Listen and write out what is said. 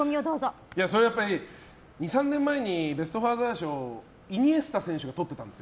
それはやっぱり２３年前にベスト・ファーザー賞をイニエスタ選手がとってたんです。